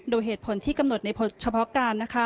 โดยเหตุผลที่กำหนดในเฉพาะการ